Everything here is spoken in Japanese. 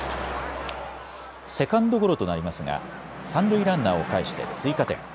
セカンドゴロとなりますが三塁ランナーをかえして追加点。